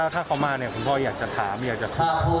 ถ้าเขามาเนี่ยคุณพ่ออยากจะถามอยากจะพูด